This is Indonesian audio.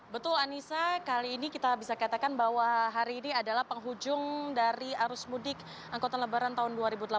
betul anissa kali ini kita bisa katakan bahwa hari ini adalah penghujung dari arus mudik angkutan lebaran tahun dua ribu delapan belas